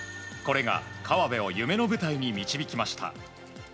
これが河辺を夢の舞台に導きました。